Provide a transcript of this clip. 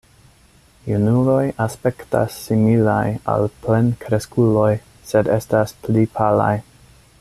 Junuloj aspektas similaj al plenkreskuloj, sed estas pli palaj.